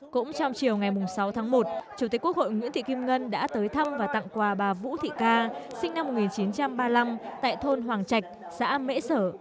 cũng trong chiều ngày sáu tháng một chủ tịch quốc hội nguyễn thị kim ngân đã tới thăm và tặng quà bà vũ thị ca sinh năm một nghìn chín trăm ba mươi năm tại thôn hoàng trạch xã mễ sở